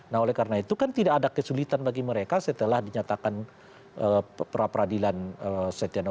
nah oleh karena itu kan tidak ada kesulitan bagi mereka setelah dinyatakan peradilan stenovanto